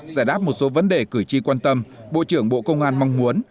giải đáp một số vấn đề cử tri quan tâm bộ trưởng bộ công an mong muốn